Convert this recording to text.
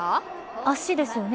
足ですよね。